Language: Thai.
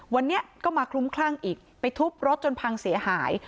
วันนี้ก็มาคลุ้มคลั่งอีกไปทุบรถจนพังเสียหาย